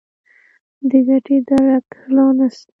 د ګټې درک لا نه شته.